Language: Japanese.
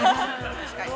◆確かに。